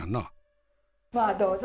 まあどうぞ。